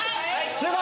集合！